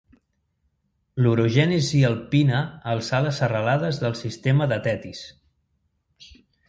L'orogènesi alpina alçà les serralades del sistema de Tetis.